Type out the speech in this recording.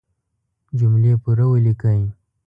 جملې پوره وليکئ!